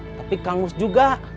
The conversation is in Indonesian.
tapi kang mus juga